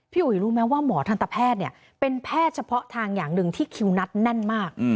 อุ๋ยรู้ไหมว่าหมอทันตแพทย์เนี่ยเป็นแพทย์เฉพาะทางอย่างหนึ่งที่คิวนัดแน่นมาก